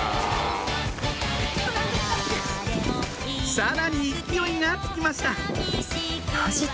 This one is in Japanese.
さらに勢いがつきました